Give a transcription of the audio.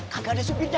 gak ada supirnya